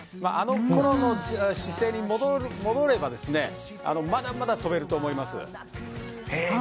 あのころの姿勢に戻ればまだまだ飛べると思います。